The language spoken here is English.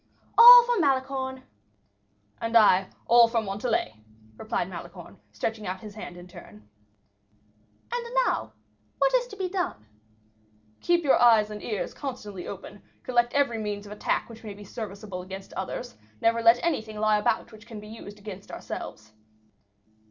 '" "All for Malicorne." "And I, 'All for Montalais,'" replied Malicorne, stretching out his hand in his turn. "And now, what is to be done?" "Keep your eyes and ears constantly open; collect every means of attack which may be serviceable against others; never let anything lie about which can be used against ourselves."